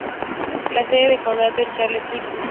La sede de condado es Charles City.